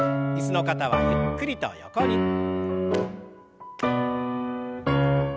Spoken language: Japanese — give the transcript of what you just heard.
椅子の方はゆっくりと横に。